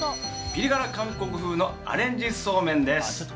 ピリ辛韓国風のアレンジそうめんです。